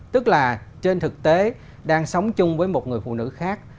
tức là trên thực tế đang sống chung với một người phụ nữ khác